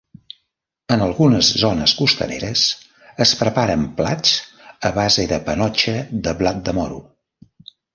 En algunes zones costaneres es preparen plats a base de panotxa de blat de moro.